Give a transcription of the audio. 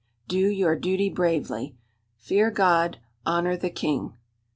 "Do your duty bravely, "Fear God, "Honour the King.